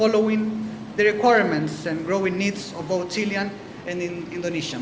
mengikuti kebutuhan dan kebutuhan yang berkembang di chile dan di indonesia